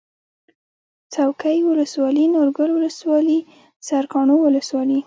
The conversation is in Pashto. څوکۍ ولسوالي نورګل ولسوالي سرکاڼو ولسوالي